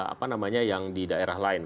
apa namanya yang di daerah lain